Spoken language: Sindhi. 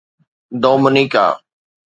ڊومينيڪا